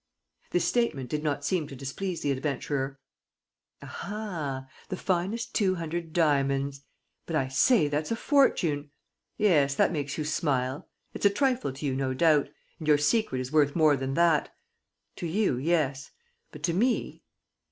This statement did not seem to displease the adventurer. "Aha, the finest two hundred diamonds! But, I say, that's a fortune! ... Yes, that makes you smile. ... It's a trifle to you, no doubt. ... And your secret is worth more than that. ... To you, yes ... but to me?